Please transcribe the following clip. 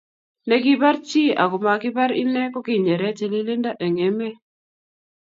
Ne kibar chii ako makibar inee ko kinyere tililindo eng emee